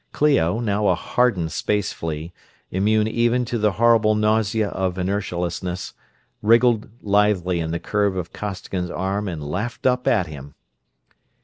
Clio, now a hardened space flea, immune even to the horrible nausea of inertialessness, wriggled lithely in the curve of Costigan's arm and laughed up at him.